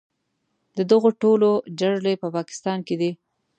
د دغو ټولو جرړې په پاکستان کې دي.